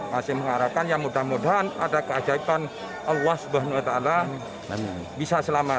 masih mengharapkan ya mudah mudahan ada keajaiban allah swt bisa selamat